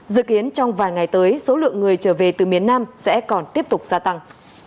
dự kiến trong vài ngày tới số lượng người trở về từ miền nam sẽ còn tiếp tục gia tăng